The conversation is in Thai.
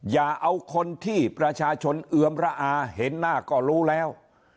อย่าเอาคนที่ประชาชนเอือมระอาเห็นหน้าก็รู้แล้ว